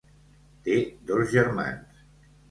Té dos germans: